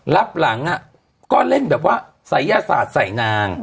รับหลังก็เล่นแบบว่าศัยยศาสตร์ใส่นาง